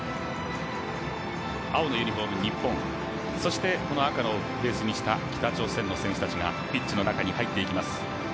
青のユニフォーム・日本、赤をベースにした北朝鮮の選手たちがピッチの中に入っていきます。